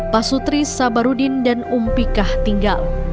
pasutri sabarudin dan umpikah tinggal